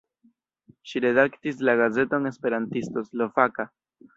Ŝi redaktis la gazeton Esperantisto Slovaka.